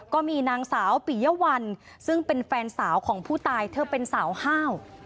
ก็มีนางสาวปิยวัลซึ่งเป็นแฟนสาวของผู้ตายเธอเป็นสาวห้าว